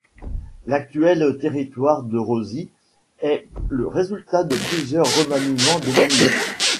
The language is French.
L'actuel territoire de Rosis est le résultat de plusieurs remaniements des limites.